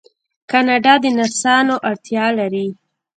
کاناډا د نرسانو اړتیا لري.